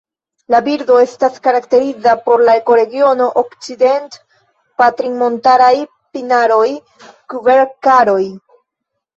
La birdo estas karakteriza por la ekoregiono okcident-patrinmontaraj pinaroj-kverkaroj.